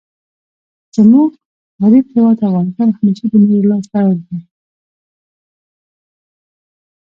زموږ غریب هیواد افغانستان همېشه د نورو لاس ته اړ دئ.